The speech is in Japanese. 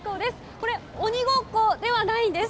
これ、鬼ごっこではないんです。